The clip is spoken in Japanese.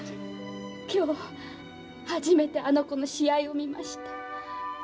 今日初めてあの子の試合を見ました。